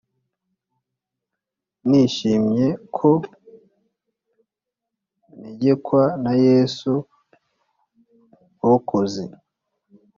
Nishimye ko ntegekwa na yesu murokozi